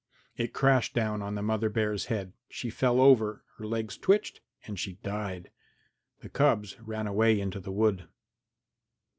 It crashed down on the mother bear's head. She fell over; her legs twitched and she died. The cubs ran away into the wood.